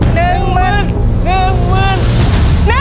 ๑หมื่น